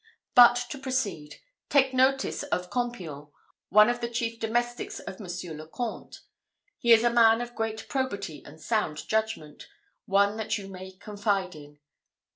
But to proceed: take notice of Campion, one of the chief domestics of Monsieur le Comte. He is a man of great probity and sound judgment one that you may confide in.